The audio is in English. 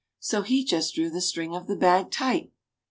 So he just drew the string of the bag tight.